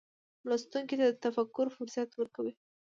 لوستونکي ته د تفکر فرصت ورکوي.